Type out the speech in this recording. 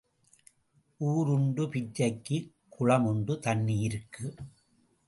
ஊர் உண்டு பிச்சைக்கு குளம் உண்டு தண்ணீருக்கு.